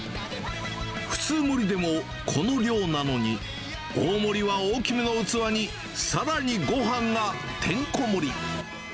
普通盛りでもこの量なのに、大盛りは大きめの器にさらにごはんがてんこ盛り。